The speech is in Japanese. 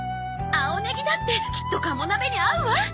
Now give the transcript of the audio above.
青ネギだってきっとカモ鍋に合うわ。